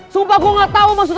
sumpah gue gak tau maksudnya